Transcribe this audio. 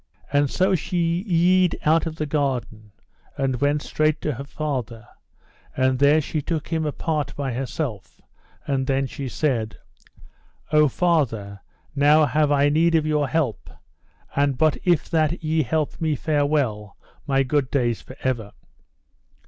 And so she yede out of the garden, and she went straight to her father, and there she took him apart by herself; and then she said: O father, now have I need of your help, and but if that ye help me farewell my good days for ever.